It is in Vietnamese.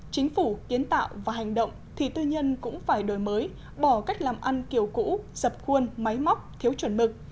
chính phủ kiến tạo và hành động thì tư nhân cũng phải đổi mới bỏ cách làm ăn kiểu cũ dập khuôn máy móc thiếu chuẩn mực